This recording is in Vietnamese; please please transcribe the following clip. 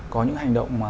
có những hành động